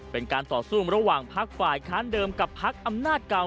เป็นการต่อสู้ระหว่างพักฝ่ายค้านเดิมกับพักอำนาจเก่า